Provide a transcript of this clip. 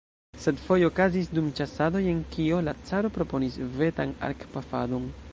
Sed foje okazis dum ĉasado jen kio: la caro proponis vetan arkpafadon.